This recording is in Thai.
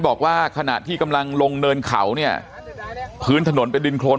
บอกว่าขณะที่กำลังลงเนินเขาเนี่ยพื้นถนนเป็นดินโครน